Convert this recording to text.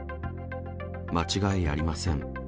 間違いありません。